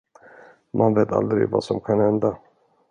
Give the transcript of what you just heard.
Man vet aldrig, vad som kan hända.